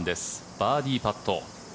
バーディーパット。